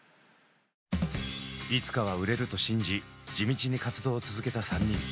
いつかは売れると信じ地道に活動を続けた３人。